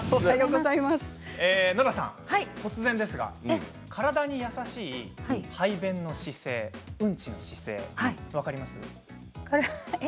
ノラさん、突然ですが体に優しい排便の姿勢うんちの姿勢、分かりますか？